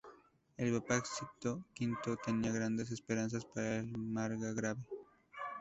El papa Sixto V tenía grandes esperanzas para el margrave.